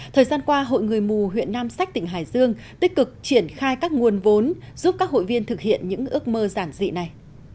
thời gian qua hội người mù huyện nam sách tỉnh hải dương tích cực triển khai các nguồn vốn giúp các hội viên thực hiện những ước mơ giản dị này